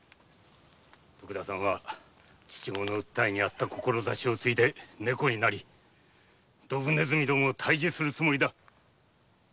徳田さんは父上の訴えにあった志を継ぎネコになってドブネズミを退治するつもりだ。